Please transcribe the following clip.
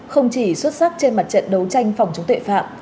không chỉ xuất sắc trên mặt trận đấu tranh phòng chống tội phạm